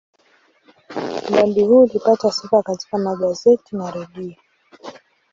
Mradi huu ulipata sifa katika magazeti na redio.